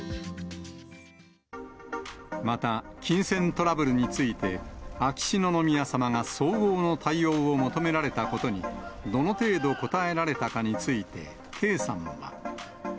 また、金銭トラブルについて、秋篠宮さまが相応の対応を求められたことに、どの程度応えられたかについて、圭さんは。